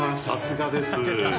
さすがです。